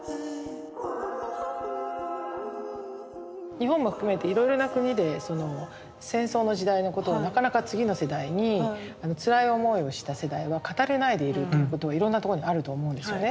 日本も含めていろいろな国で戦争の時代のことをなかなか次の世代につらい思いをした世代は語れないでいるってことがいろんなところにあると思うんですよね。